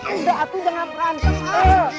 aduh aku jangan merantem